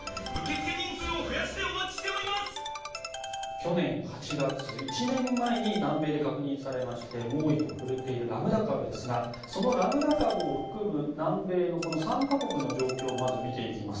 去年８月１年前に南米で確認されて猛威を振るっているラムダ株ですがそのラムダ株を含む南米の３か国の状況をまず見ていきます。